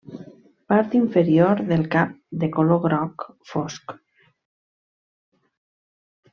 Part inferior del cap de color groc fosc.